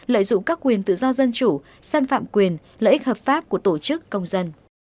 lợi dụng các quyền tự do dân chủ xâm phạm quyền lợi ích hợp pháp của tổ chức công dân